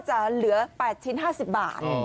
จะเหลือ๘ชิ้น๕๐บาท